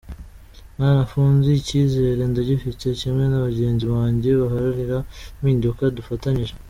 Mwanafunzi: Icyizere ndagifite kimwe na bagenzi banjye baharanira impinduka dufatanyije.